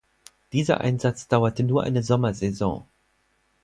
Dieser Einsatz dauerte nur eine Sommersaison.